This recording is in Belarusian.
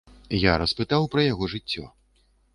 Я распытаў пра яго жыццё.